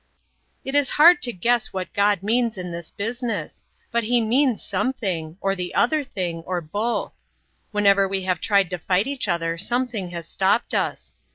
"It is hard to guess what God means in this business. But he means something or the other thing, or both. Whenever we have tried to fight each other something has stopped us.